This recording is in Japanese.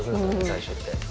最初って。